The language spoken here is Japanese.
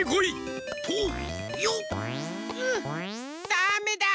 ダメだ！